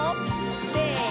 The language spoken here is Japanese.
せの！